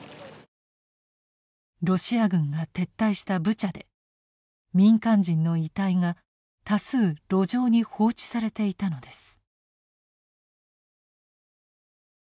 ロシア軍が撤退したブチャで民間人の遺体が多数路上に放置されていたのです。